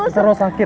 saat dulu so